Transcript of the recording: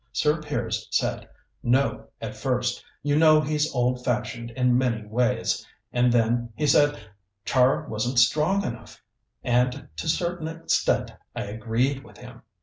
Sir Piers said 'No' at first you know he's old fashioned in many ways and then he said Char wasn't strong enough, and to a certain extent I agreed with him.